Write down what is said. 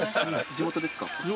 地元です。